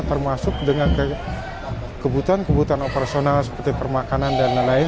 termasuk dengan kebutuhan kebutuhan operasional seperti permakanan dan lain lain